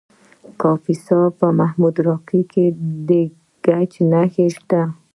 د کاپیسا په محمود راقي کې د ګچ نښې شته.